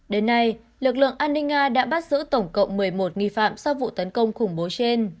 đến nay lực lượng an ninh nga đã bắt giữ tổng cộng một mươi một nghi phạm sau vụ tấn công khủng bố trên